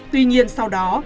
tuy nhiên sau đó